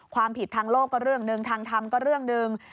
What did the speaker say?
ความผิดทางโลกก็เรื่องหนึ่งทางธรรมก็เรื่องหนึ่ง